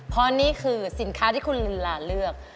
เพราะนี่คือสินค้าที่คุณลินลาเลือก